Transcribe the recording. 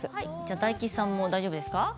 大吉さんも大丈夫ですか？